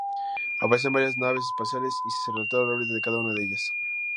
Aparecen varias naves espaciales, y se resalta la órbita de cada una de ellas.